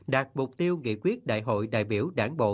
đạt mục tiêu nghị quyết đại hội đại biểu đảng bộ